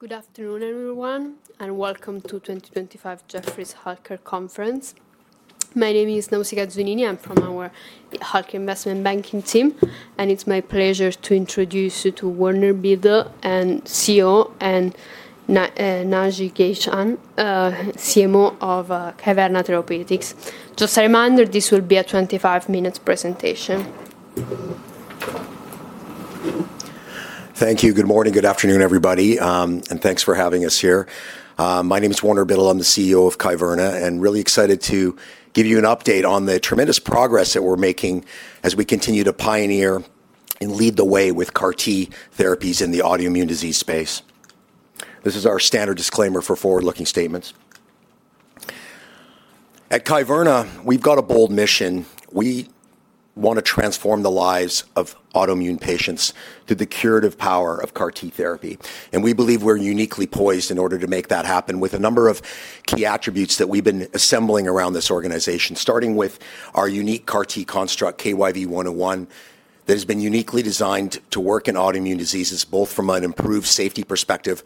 Good afternoon, everyone, and welcome to 2025 Jefferies Healthcare Conference. My name is Nausica Zunini. I'm from our Healthcare Investment Banking team, and it's my pleasure to introduce you to Warner Biddle, CEO, and Naji Gehchan, CMO of Kyverna Therapeutics. Just a reminder, this will be a 25-minute presentation. Thank you. Good morning. Good afternoon, everybody, and thanks for having us here. My name is Warner Biddle. I'm the CEO of Kyverna and really excited to give you an update on the tremendous progress that we're making as we continue to pioneer and lead the way with CAR T therapies in the autoimmune disease space. This is our standard disclaimer for forward-looking statements. At Kyverna, we've got a bold mission. We want to transform the lives of autoimmune patients through the curative power of CAR T therapy. We believe we're uniquely poised in order to make that happen with a number of key attributes that we've been assembling around this organization, starting with our unique CAR T construct, KYV-101, that has been uniquely designed to work in autoimmune diseases, both from an improved safety perspective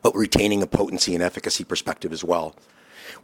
but retaining a potency and efficacy perspective as well.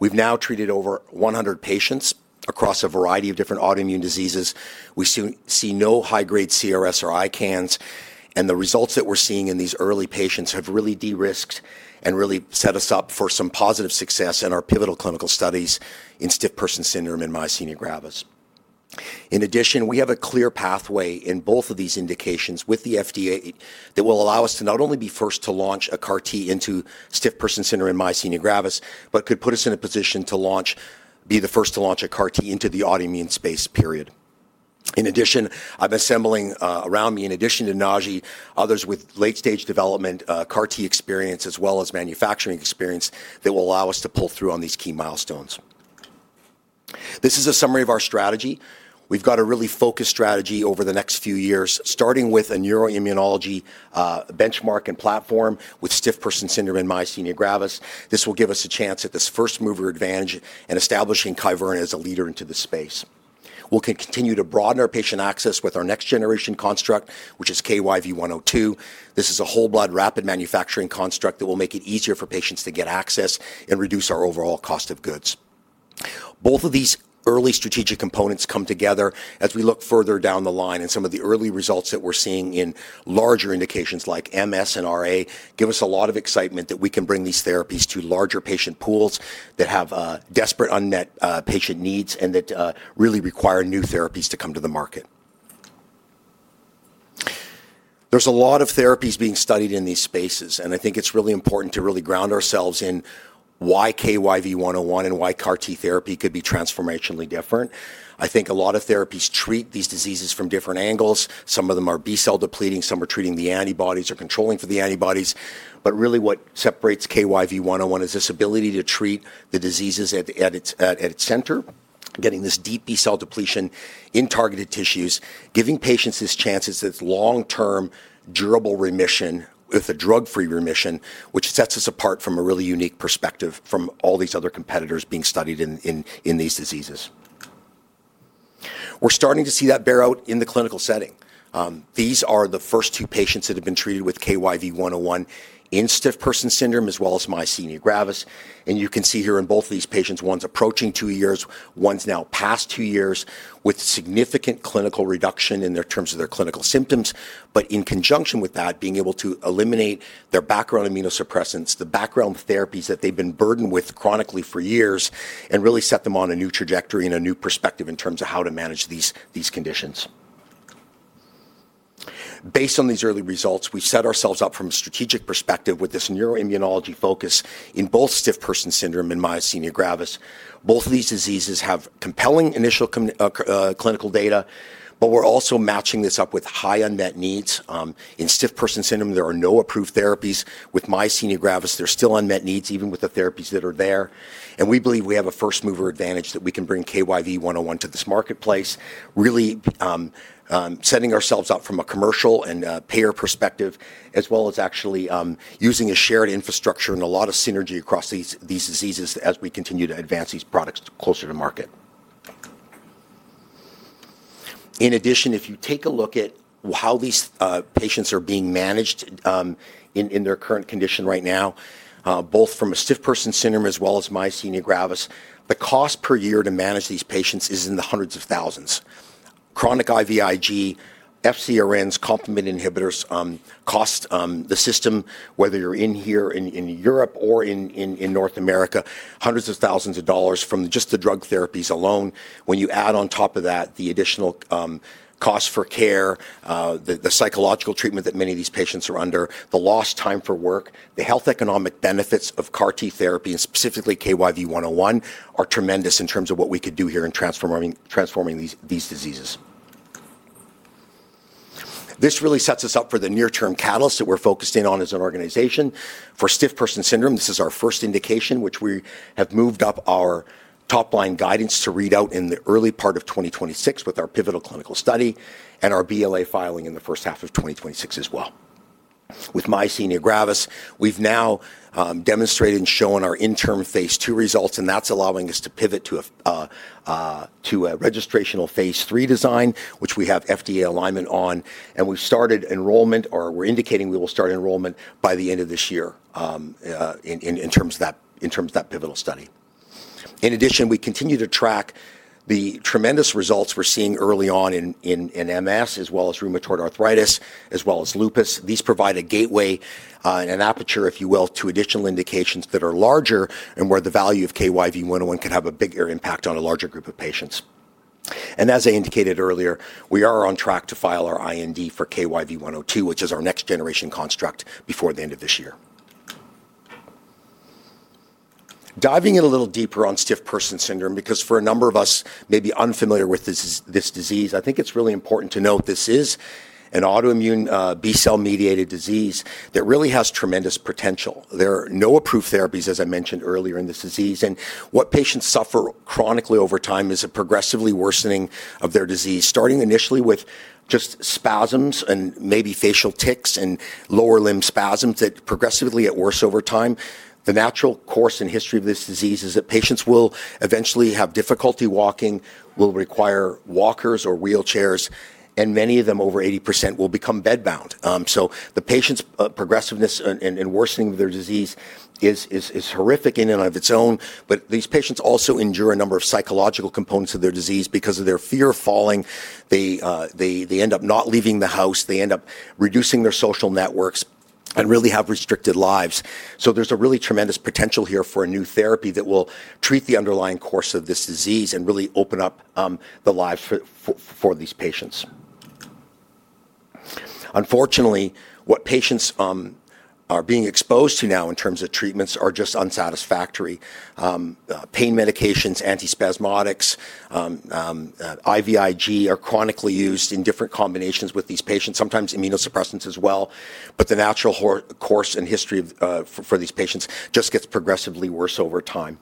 We've now treated over 100 patients across a variety of different autoimmune diseases. We see no high-grade CRS or ICANS, and the results that we're seeing in these early patients have really de-risked and really set us up for some positive success in our pivotal clinical studies in stiff person syndrome and myasthenia gravis. In addition, we have a clear pathway in both of these indications with the FDA that will allow us to not only be first to launch a CAR T into stiff person syndrome and myasthenia gravis, but could put us in a position to be the first to launch a CAR T into the autoimmune space, period. In addition, I'm assembling around me, in addition to Naji, others with late-stage development CAR T experience as well as manufacturing experience that will allow us to pull through on these key milestones. This is a summary of our strategy. We've got a really focused strategy over the next few years, starting with a neuroimmunology benchmark and platform with stiff person syndrome and myasthenia gravis. This will give us a chance at this first mover advantage and establishing Kyverna as a leader into the space. We'll continue to broaden our patient access with our next generation construct, which is KYV-102. This is a whole blood rapid manufacturing construct that will make it easier for patients to get access and reduce our overall cost of goods. Both of these early strategic components come together as we look further down the line, and some of the early results that we're seeing in larger indications like MS and RA give us a lot of excitement that we can bring these therapies to larger patient pools that have desperate unmet patient needs and that really require new therapies to come to the market. There's a lot of therapies being studied in these spaces, and I think it's really important to really ground ourselves in why KYV-101 and why CAR T therapy could be transformationally different. I think a lot of therapies treat these diseases from different angles. Some of them are B-cell depleting. Some are treating the antibodies or controlling for the antibodies. What really separates KYV-101 is this ability to treat the diseases at its center, getting this deep B-cell depletion in targeted tissues, giving patients this chance at this long-term durable remission with a drug-free remission, which sets us apart from a really unique perspective from all these other competitors being studied in these diseases. We're starting to see that bear out in the clinical setting. These are the first two patients that have been treated with KYV-101 in stiff person syndrome as well as myasthenia gravis. You can see here in both of these patients, one's approaching two years, one's now past two years with significant clinical reduction in terms of their clinical symptoms. In conjunction with that, being able to eliminate their background immunosuppressants, the background therapies that they've been burdened with chronically for years, and really set them on a new trajectory and a new perspective in terms of how to manage these conditions. Based on these early results, we've set ourselves up from a strategic perspective with this neuroimmunology focus in both stiff person syndrome and myasthenia gravis. Both of these diseases have compelling initial clinical data, but we're also matching this up with high unmet needs. In stiff person syndrome, there are no approved therapies. With myasthenia gravis, there's still unmet needs even with the therapies that are there. We believe we have a first mover advantage that we can bring KYV-101 to this marketplace, really setting ourselves up from a commercial and payer perspective, as well as actually using a shared infrastructure and a lot of synergy across these diseases as we continue to advance these products closer to market. In addition, if you take a look at how these patients are being managed in their current condition right now, both from a stiff person syndrome as well as myasthenia gravis, the cost per year to manage these patients is in the hundreds of thousands. Chronic IVIG, FcRn inhibitors, complement inhibitors cost the system, whether you're here in Europe or in North America, hundreds of thousands of dollars from just the drug therapies alone. When you add on top of that the additional cost for care, the psychological treatment that many of these patients are under, the lost time for work, the health economic benefits of CAR T therapy, and specifically KYV-101 are tremendous in terms of what we could do here in transforming these diseases. This really sets us up for the near-term catalyst that we're focusing on as an organization. For stiff person syndrome, this is our first indication, which we have moved up our top line guidance to read out in the early part of 2026 with our pivotal clinical study and our BLA filing in the first half of 2026 as well. With myasthenia gravis, we've now demonstrated and shown our interim phase two results, and that's allowing us to pivot to a registrational phase three design, which we have FDA alignment on. We have started enrollment, or we are indicating we will start enrollment by the end of this year in terms of that pivotal study. In addition, we continue to track the tremendous results we are seeing early on in MS as well as rheumatoid arthritis as well as lupus. These provide a gateway and an aperture, if you will, to additional indications that are larger and where the value of KYV-101 could have a bigger impact on a larger group of patients. As I indicated earlier, we are on track to file our IND for KYV-102, which is our next generation construct before the end of this year. Diving in a little deeper on stiff person syndrome, because for a number of us who may be unfamiliar with this disease, I think it is really important to note this is an autoimmune B-cell mediated disease that really has tremendous potential. There are no approved therapies, as I mentioned earlier, in this disease. What patients suffer chronically over time is a progressively worsening of their disease, starting initially with just spasms and maybe facial tics and lower limb spasms that progressively get worse over time. The natural course and history of this disease is that patients will eventually have difficulty walking, will require walkers or wheelchairs, and many of them, over 80%, will become bedbound. The patients' progressiveness and worsening of their disease is horrific in and of its own. These patients also endure a number of psychological components of their disease because of their fear of falling. They end up not leaving the house. They end up reducing their social networks and really have restricted lives. There is a really tremendous potential here for a new therapy that will treat the underlying course of this disease and really open up the lives for these patients. Unfortunately, what patients are being exposed to now in terms of treatments are just unsatisfactory. Pain medications, antispasmodics, IVIG are chronically used in different combinations with these patients, sometimes immunosuppressants as well. The natural course and history for these patients just gets progressively worse over time.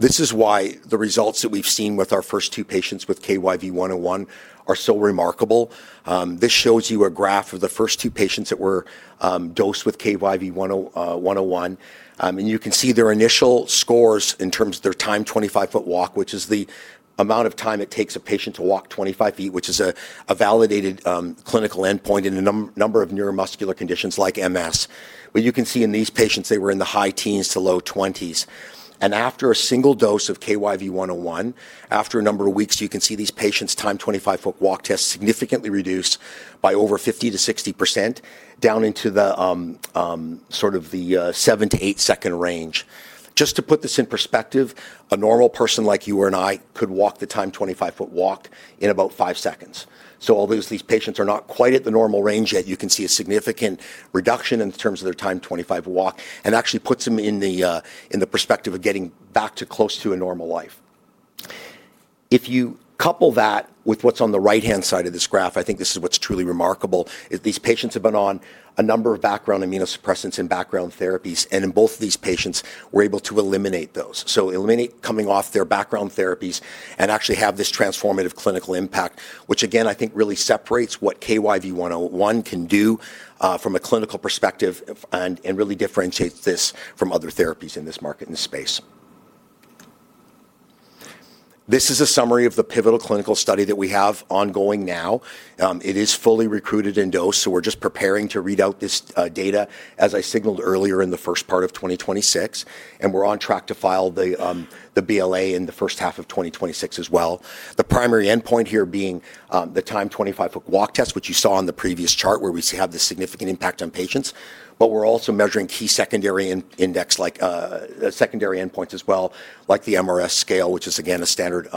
This is why the results that we have seen with our first two patients with KYV-101 are so remarkable. This shows you a graph of the first two patients that were dosed with KYV-101. You can see their initial scores in terms of their time 25-foot walk, which is the amount of time it takes a patient to walk 25 feet, which is a validated clinical endpoint in a number of neuromuscular conditions like MS. You can see in these patients, they were in the high teens to low 20s. After a single dose of KYV-101, after a number of weeks, you can see these patients' time 25-foot walk test significantly reduced by over 50%-60%, down into sort of the 7-8 second range. Just to put this in perspective, a normal person like you or I could walk the time 25-foot walk in about 5 seconds. Although these patients are not quite at the normal range yet, you can see a significant reduction in terms of their time 25-foot walk and actually puts them in the perspective of getting back to close to a normal life. If you couple that with what is on the right-hand side of this graph, I think this is what is truly remarkable, is these patients have been on a number of background immunosuppressants and background therapies, and in both of these patients, we are able to eliminate those. Eliminate coming off their background therapies and actually have this transformative clinical impact, which again, I think really separates what KYV-101 can do from a clinical perspective and really differentiates this from other therapies in this market and space. This is a summary of the pivotal clinical study that we have ongoing now. It is fully recruited and dosed, so we're just preparing to read out this data, as I signaled earlier in the first part of 2026. We're on track to file the BLA in the first half of 2026 as well. The primary endpoint here being the time 25-foot walk test, which you saw on the previous chart where we have this significant impact on patients. We're also measuring key secondary endpoints as well, like the MRS scale, which is again a standard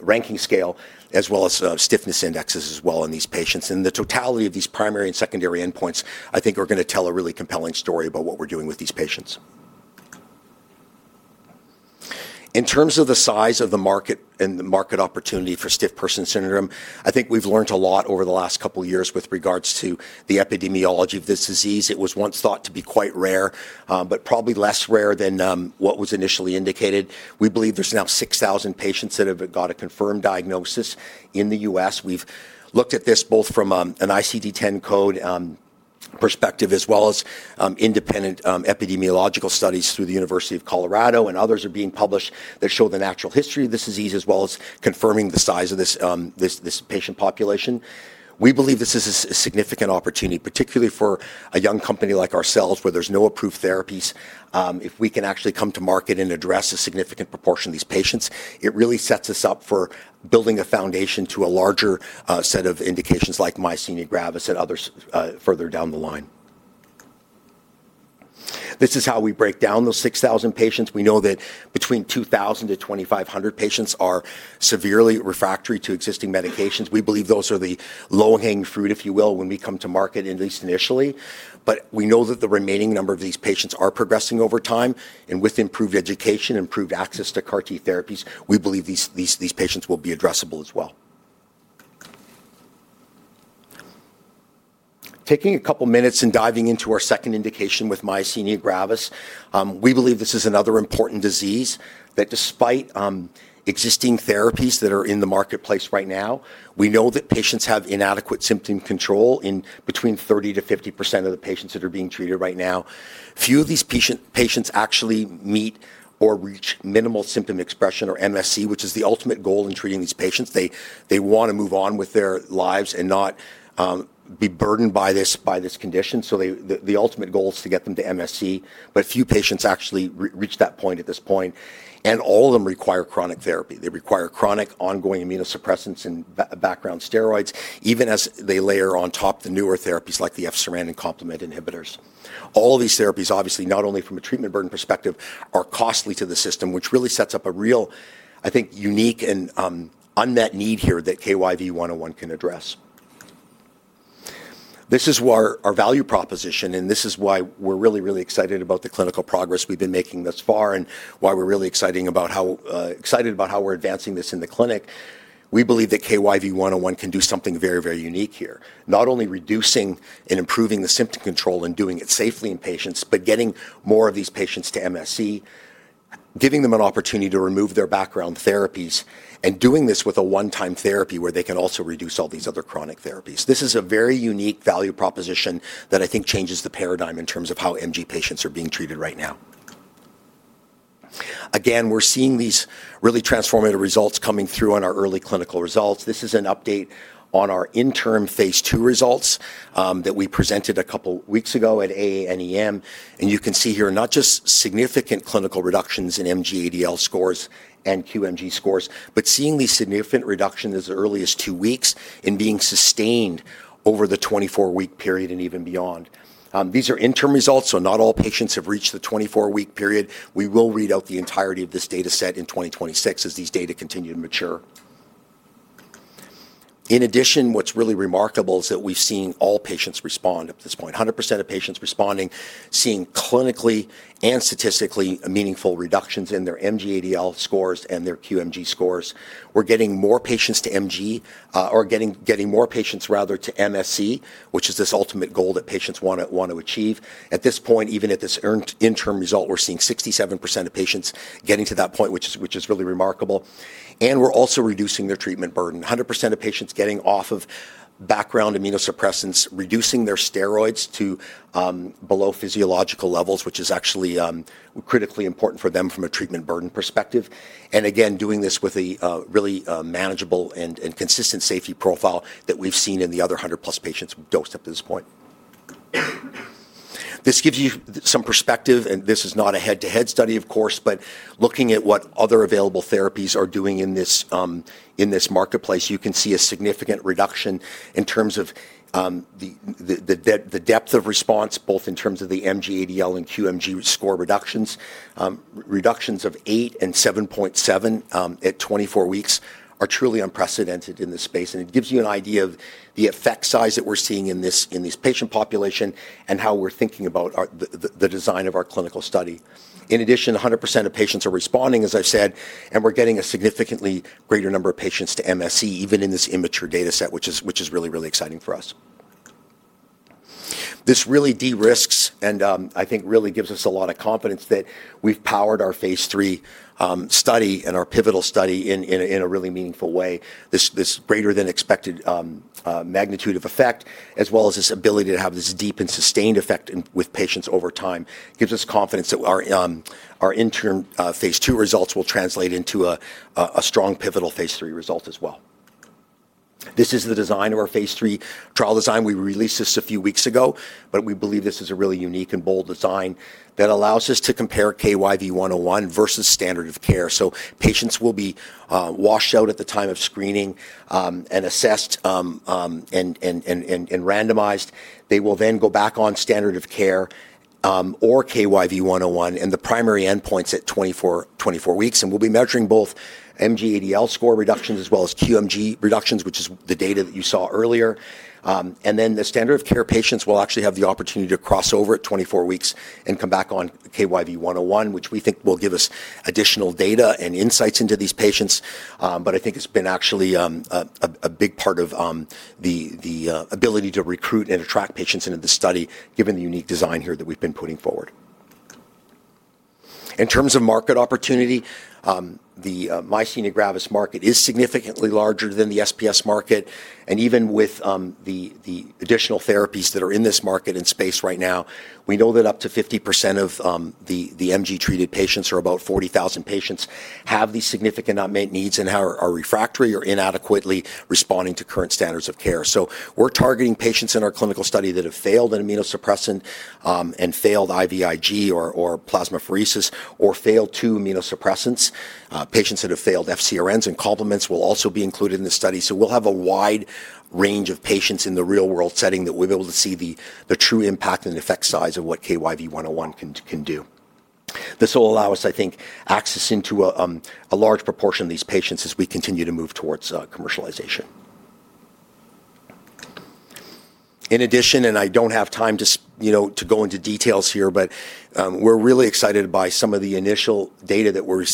ranking scale, as well as stiffness indexes as well in these patients. The totality of these primary and secondary endpoints, I think, are going to tell a really compelling story about what we're doing with these patients. In terms of the size of the market and the market opportunity for stiff person syndrome, I think we've learned a lot over the last couple of years with regards to the epidemiology of this disease. It was once thought to be quite rare, but probably less rare than what was initially indicated. We believe there's now 6,000 patients that have got a confirmed diagnosis in the U.S. We've looked at this both from an ICD-10 code perspective as well as independent epidemiological studies through the University of Colorado and others are being published that show the natural history of this disease as well as confirming the size of this patient population. We believe this is a significant opportunity, particularly for a young company like ourselves where there's no approved therapies. If we can actually come to market and address a significant proportion of these patients, it really sets us up for building a foundation to a larger set of indications like myasthenia gravis and others further down the line. This is how we break down those 6,000 patients. We know that between 2,000-2,500 patients are severely refractory to existing medications. We believe those are the low-hanging fruit, if you will, when we come to market, at least initially. We know that the remaining number of these patients are progressing over time. With improved education, improved access to CAR T therapies, we believe these patients will be addressable as well. Taking a couple of minutes and diving into our second indication with myasthenia gravis, we believe this is another important disease that, despite existing therapies that are in the marketplace right now, we know that patients have inadequate symptom control in between 30%-50% of the patients that are being treated right now. Few of these patients actually meet or reach minimal symptom expression or MSE, which is the ultimate goal in treating these patients. They want to move on with their lives and not be burdened by this condition. The ultimate goal is to get them to MSE. Few patients actually reach that point at this point. All of them require chronic therapy. They require chronic ongoing immunosuppressants and background steroids, even as they layer on top the newer therapies like the FcRn and complement inhibitors. All of these therapies, obviously, not only from a treatment burden perspective, are costly to the system, which really sets up a real, I think, unique and unmet need here that KYV-101 can address. This is our value proposition, and this is why we're really, really excited about the clinical progress we've been making thus far and why we're really excited about how we're advancing this in the clinic. We believe that KYV-101 can do something very, very unique here, not only reducing and improving the symptom control and doing it safely in patients, but getting more of these patients to MSE, giving them an opportunity to remove their background therapies and doing this with a one-time therapy where they can also reduce all these other chronic therapies. This is a very unique value proposition that I think changes the paradigm in terms of how MG patients are being treated right now. Again, we're seeing these really transformative results coming through on our early clinical results. This is an update on our interim phase two results that we presented a couple of weeks ago at AANEM. You can see here not just significant clinical reductions in MG ADL scores and QMG scores, but seeing the significant reduction as early as two weeks in being sustained over the 24-week period and even beyond. These are interim results, so not all patients have reached the 24-week period. We will read out the entirety of this data set in 2026 as these data continue to mature. In addition, what's really remarkable is that we've seen all patients respond at this point, 100% of patients responding, seeing clinically and statistically meaningful reductions in their MG ADL scores and their QMG scores. We're getting more patients to MG or getting more patients, rather, to MSE, which is this ultimate goal that patients want to achieve. At this point, even at this interim result, we're seeing 67% of patients getting to that point, which is really remarkable. We're also reducing their treatment burden, 100% of patients getting off of background immunosuppressants, reducing their steroids to below physiological levels, which is actually critically important for them from a treatment burden perspective. Again, doing this with a really manageable and consistent safety profile that we've seen in the other 100+ patients dosed up to this point. This gives you some perspective, and this is not a head-to-head study, of course, but looking at what other available therapies are doing in this marketplace, you can see a significant reduction in terms of the depth of response, both in terms of the MG ADL and QMG score reductions. Reductions of 8 and 7.7 at 24 weeks are truly unprecedented in this space. It gives you an idea of the effect size that we're seeing in this patient population and how we're thinking about the design of our clinical study. In addition, 100% of patients are responding, as I said, and we're getting a significantly greater number of patients to MSE, even in this immature data set, which is really, really exciting for us. This really de-risks and I think really gives us a lot of confidence that we've powered our phase three study and our pivotal study in a really meaningful way. This greater-than-expected magnitude of effect, as well as this ability to have this deep and sustained effect with patients over time, gives us confidence that our interim phase two results will translate into a strong pivotal phase three result as well. This is the design of our phase three trial design. We released this a few weeks ago, but we believe this is a really unique and bold design that allows us to compare KYV-101 versus standard of care. Patients will be washed out at the time of screening and assessed and randomized. They will then go back on standard of care or KYV-101 and the primary endpoints at 24 weeks. We will be measuring both MG ADL score reductions as well as QMG reductions, which is the data that you saw earlier. The standard of care patients will actually have the opportunity to cross over at 24 weeks and come back on KYV-101, which we think will give us additional data and insights into these patients. I think it has been actually a big part of the ability to recruit and attract patients into the study, given the unique design here that we have been putting forward. In terms of market opportunity, the myasthenia gravis market is significantly larger than the SPS market. Even with the additional therapies that are in this market and space right now, we know that up to 50% of the MG-treated patients, or about 40,000 patients, have these significant unmet needs and are refractory or inadequately responding to current standards of care. We're targeting patients in our clinical study that have failed an immunosuppressant and failed IVIG or plasmapheresis or failed two immunosuppressants. Patients that have failed FcRn inhibitors and complement inhibitors will also be included in this study. We'll have a wide range of patients in the real-world setting that we'll be able to see the true impact and effect size of what KYV-101 can do. This will allow us, I think, access into a large proportion of these patients as we continue to move towards commercialization. In addition, and I don't have time to go into details here, we're really excited by some of the initial data that we're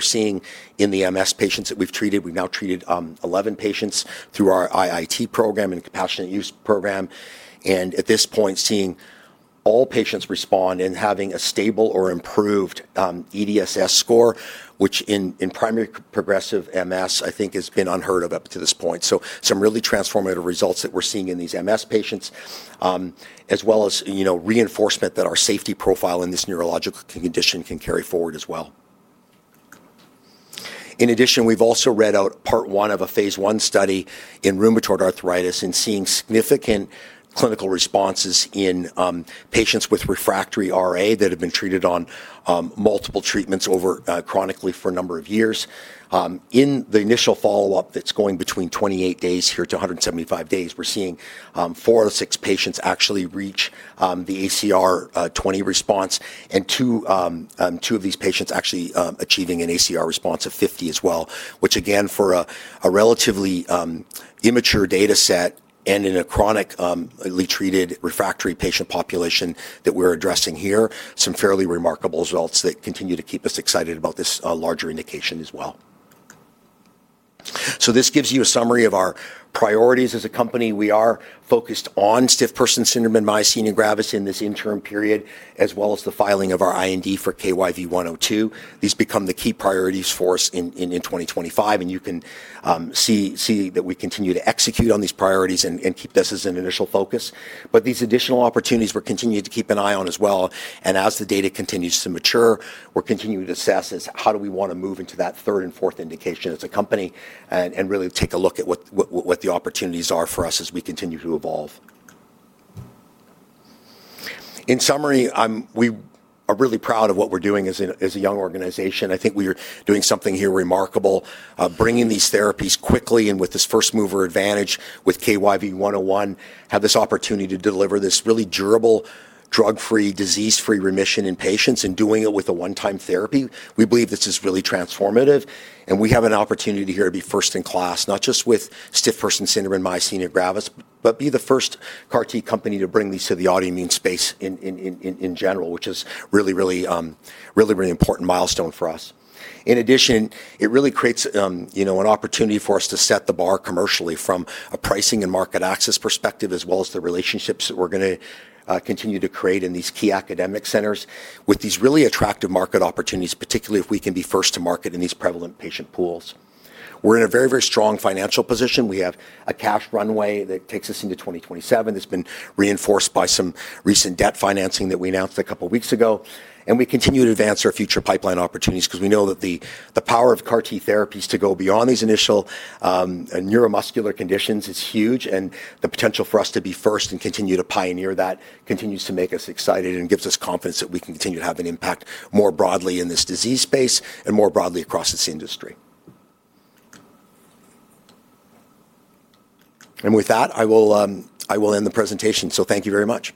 seeing in the MS patients that we've treated. We've now treated 11 patients through our IIT program and compassionate use program. At this point, seeing all patients respond and having a stable or improved EDSS score, which in primary progressive MS, I think, has been unheard of up to this point. Some really transformative results that we're seeing in these MS patients, as well as reinforcement that our safety profile in this neurological condition can carry forward as well. In addition, we've also read out part one of a phase I study in rheumatoid arthritis and seeing significant clinical responses in patients with refractory RA that have been treated on multiple treatments chronically for a number of years. In the initial follow-up that's going between 28 days here to 175 days, we're seeing four of the six patients actually reach the ACR 20 response, and two of these patients actually achieving an ACR response of 50 as well, which, again, for a relatively immature data set and in a chronically treated refractory patient population that we're addressing here, some fairly remarkable results that continue to keep us excited about this larger indication as well. This gives you a summary of our priorities as a company. We are focused on stiff person syndrome and myasthenia gravis in this interim period, as well as the filing of our IND for KYV-102. These become the key priorities for us in 2025. You can see that we continue to execute on these priorities and keep this as an initial focus. These additional opportunities, we're continuing to keep an eye on as well. As the data continues to mature, we're continuing to assess how do we want to move into that third and fourth indication as a company and really take a look at what the opportunities are for us as we continue to evolve. In summary, we are really proud of what we're doing as a young organization. I think we are doing something here remarkable, bringing these therapies quickly and with this first-mover advantage with KYV101, have this opportunity to deliver this really durable, drug-free, disease-free remission in patients and doing it with a one-time therapy. We believe this is really transformative. We have an opportunity here to be first in class, not just with stiff person syndrome and myasthenia gravis, but be the first CAR T company to bring these to the autoimmune space in general, which is a really, really important milestone for us. In addition, it really creates an opportunity for us to set the bar commercially from a pricing and market access perspective, as well as the relationships that we're going to continue to create in these key academic centers with these really attractive market opportunities, particularly if we can be first to market in these prevalent patient pools. We're in a very, very strong financial position. We have a cash runway that takes us into 2027. It's been reinforced by some recent debt financing that we announced a couple of weeks ago. We continue to advance our future pipeline opportunities because we know that the power of CAR T therapies to go beyond these initial neuromuscular conditions is huge. The potential for us to be first and continue to pioneer that continues to make us excited and gives us confidence that we can continue to have an impact more broadly in this disease space and more broadly across this industry. With that, I will end the presentation. Thank you very much.